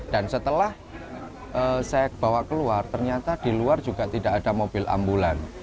dan setelah saya bawa keluar ternyata di luar juga tidak ada mobil ambulan